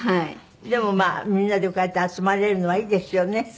でもまあみんなでこうやって集まれるのはいいですよね。